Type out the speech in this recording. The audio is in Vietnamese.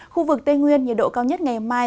khu vực tây nguyên nhiệt độ cao nhất ngày mai